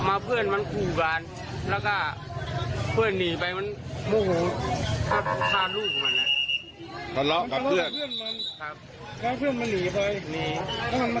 จากนั้นในหมองปุ๊มีพฤติกรรมชาวพม่าค่ะ